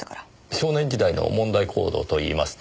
少年時代の問題行動といいますと？